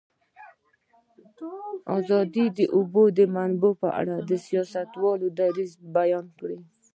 ازادي راډیو د د اوبو منابع په اړه د سیاستوالو دریځ بیان کړی.